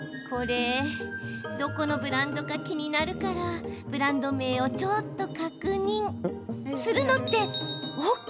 どこのブランドか気になるからブランド名をちょっと確認するのってＯＫ？